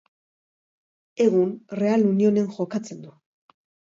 Egun Real Union-en jokatzen du.